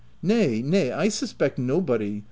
u Nay, nay, I suspect nobody.